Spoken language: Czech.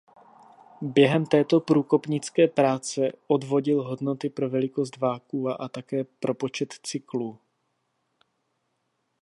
Během této průkopnické práce odvodil hodnoty pro velikost vakua a také pro počet cyklů.